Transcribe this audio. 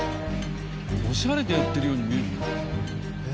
オシャレでやってるように見える。